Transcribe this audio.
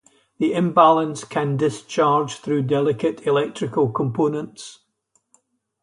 The imbalance can discharge through delicate electrical components.